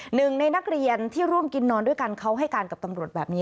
หนึ่งในนักเรียนที่ร่วมกินนอนด้วยกันเขาให้การกับตำรวจแบบนี้